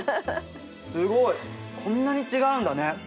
すごいこんなに違うんだね！ね。